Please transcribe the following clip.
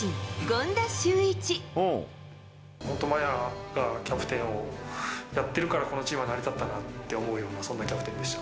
麻也がキャプテンをやってるから、このチームは成り立っていたなって思った、そんなキャプテンでした。